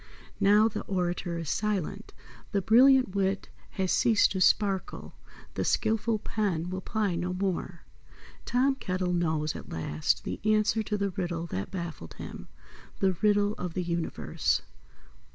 Now the orator is silent, the brilliant wit has ceased to sparkle, the skilful pen will ply no more. Tom Kettle knows at last the answer to the riddle that baffled him, the Riddle of the Universe.